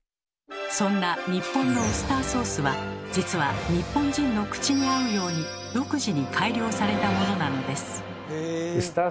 そんな日本のウスターソースは実は日本人の口に合うように独自に改良されたものなのです。